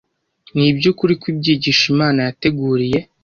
Ni iby’ukuri ko ibyigisho Imana yateguriye